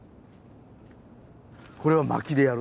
これは薪でやる？